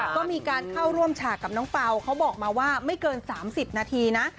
ก็มีการเข้าร่วมฉากกับน้องเปล่าเขาบอกมาว่าไม่เกิน๓๐นาทีนะ